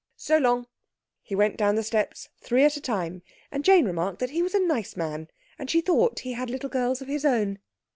So long!" He went down the stairs three at a time, and Jane remarked that he was a nice man, and she thought he had little girls of his own.